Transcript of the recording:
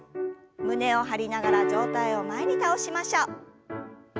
胸を張りながら上体を前に倒しましょう。